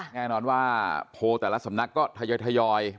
แน่นอนว่าโพลแต่ละสำนักก็ทยอย